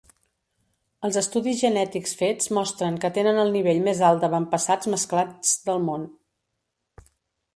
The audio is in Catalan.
Els estudis genètics fets mostren que tenen el nivell més alt d'avantpassats mesclats del món.